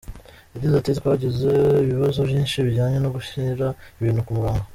Yagize ati “Twagize ibibazo byinshi bijyanye no gushyira ibintu ku murongo.